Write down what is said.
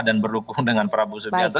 dan berhubung dengan prabowo subianto